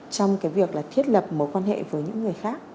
trong cái việc là thiết lập mối quan hệ với những người khác